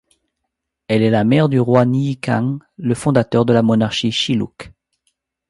Elle est la mère du roi Nyikang, le fondateur de la monarchie Shilluk.